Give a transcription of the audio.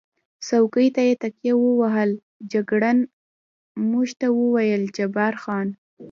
څوکۍ ته یې تکیه ووهل، جګړن موږ ته وویل: جبار خان.